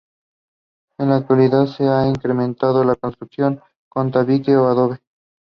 En la actualidad se ha incrementado la construcción con tabique o adobe.